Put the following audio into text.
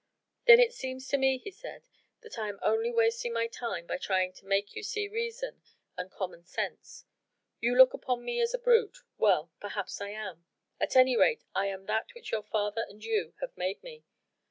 "Then it seems to me," he said, "that I am only wasting my time by trying to make you see reason and common sense. You look upon me as a brute. Well! perhaps I am. At any rate I am that which your father and you have made me.